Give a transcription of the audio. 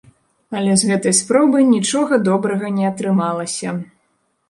Але з гэтай спробы нічога добрага не атрымалася.